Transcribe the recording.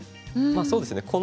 まあそうですね。